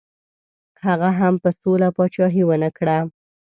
هغه هم په سوله پاچهي ونه کړه.